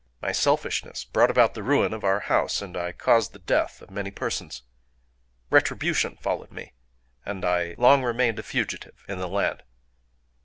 My selfishness brought about the ruin of our house, and caused the death of many persons. Retribution followed me; and I long remained a fugitive in the land.